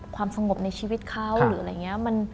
ความสงบในชีวิตเขา